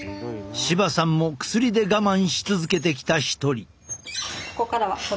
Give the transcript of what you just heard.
柴さんも薬で我慢し続けてきた一人。